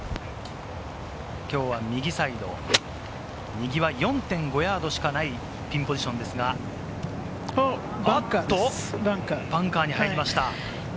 きょうは右サイド、右は４．５ヤードしかないピンポジションですが、バンカーです。